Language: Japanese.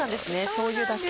しょうゆだけ。